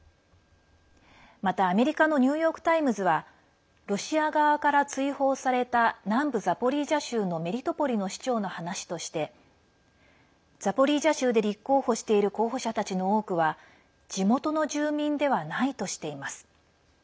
また、アメリカのニューヨーク・タイムズはロシア側から追放された南部ザポリージャ州のメリトポリの市長の話としてザポリージャ州で立候補している候補者たちの多くは地元の住民ではないとしています。